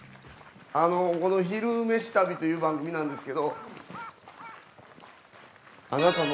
「昼めし旅」という番組なんですけど。